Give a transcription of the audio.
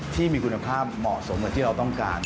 ที่มีคุณภาพเหมาะสมกับที่เราต้องการ